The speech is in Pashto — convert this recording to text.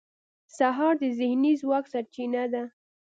سهار د ذهني ځواک سرچینه ده.